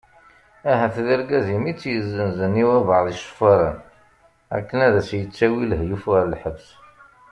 Ahat d argaz-im i tt-yezzenzen i wabɛaḍ iceffaren akken ad as-yettawi lahyuf ɣer lḥebs.